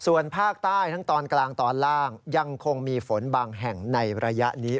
ส่วนภาคใต้กันกลางยังมีฝนบังแห่งในระยะนี้